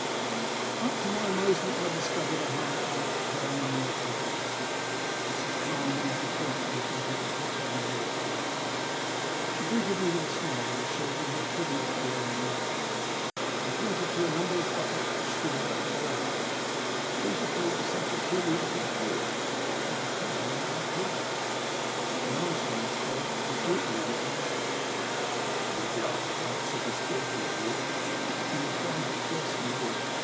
But to my amazement I discovered her hard at work preparing a meal for the garrison, just as calmly and quietly as if nothing out of the common wore occuring. She greeted me with a smile, showed me her puddings boiling on the fire, and pointed to a number of buckets which stood about the verandah. These were filled with some peculiar looking fluid; and I enquired what it might be. In answer I was told that it was oatmeal and water. " If we are to fight,*' said this daughter of war, ''you will find it thirsty work.